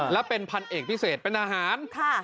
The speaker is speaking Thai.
และเป็นพันเอกพิเศษเป็นอาหาร